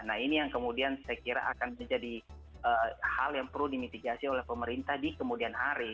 nah ini yang kemudian saya kira akan menjadi hal yang perlu dimitigasi oleh pemerintah di kemudian hari